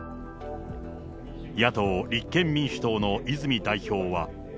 野党・立憲民主党の泉代表は。